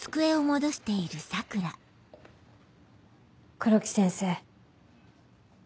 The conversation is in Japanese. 黒木先生。